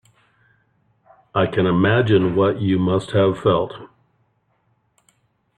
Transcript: I can imagine what you must have felt.